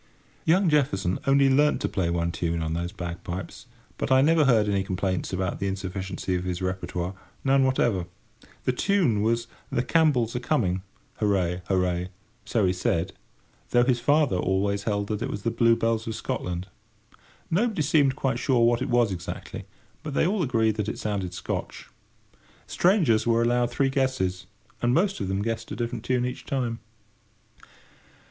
Young Jefferson only learnt to play one tune on those bagpipes; but I never heard any complaints about the insufficiency of his repertoire—none whatever. This tune was "The Campbells are Coming, Hooray—Hooray!" so he said, though his father always held that it was "The Blue Bells of Scotland." Nobody seemed quite sure what it was exactly, but they all agreed that it sounded Scotch. Strangers were allowed three guesses, and most of them guessed a different tune each time.